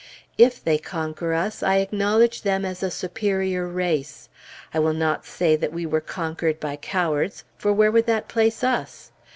If they conquer us, I acknowledge them as a superior race; I will not say that we were conquered by cowards, for where would that place us?